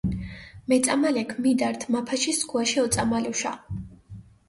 მეწამალექ მიდართ მაფაში სქუაში ოწამალუშა.